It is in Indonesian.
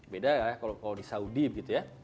beda ya kalau di saudi gitu ya